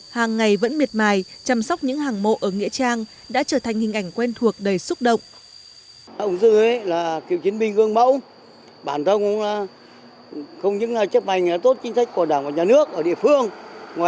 hàng ngày vẫn miệt mài chăm sóc những hàng mộ ở nghĩa trang đã trở thành hình ảnh quen thuộc đầy xúc động